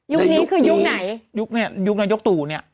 ยุคนี้คือยุคนี้ยุคนี้ยุคนี้ยุคตู่นี่